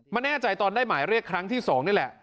แน่ใจตอนได้หมายเรียกครั้งที่๒นี่แหละ